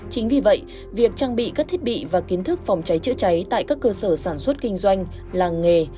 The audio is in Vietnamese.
chính vì vậy việc trang bị các thiết bị và kiến thức phòng cháy chữa cháy tại các cơ sở sản xuất kinh doanh làng nghề